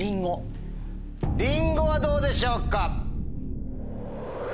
リンゴはどうでしょうか？